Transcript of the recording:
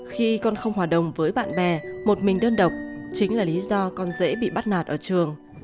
khi con không hòa đồng với bạn bè một mình đơn độc chính là lý do con dễ bị bắt nạt ở trường